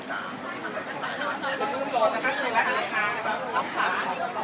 สวัสดีครับ